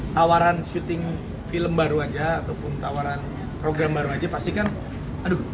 tawaran syuting film baru aja ataupun tawaran program baru aja pasti kan aduh